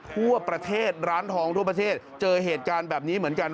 ทั่วประเทศร้านทองทั่วประเทศเจอเหตุการณ์แบบนี้เหมือนกัน